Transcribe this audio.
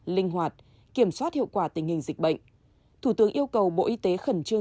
linh hoạt kiểm soát hiệu quả tình hình dịch bệnh thủ tướng yêu cầu bộ y tế khẩn trương